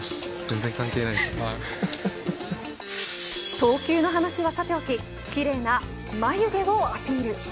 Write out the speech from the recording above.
投球の話はさておき奇麗な眉毛をアピール。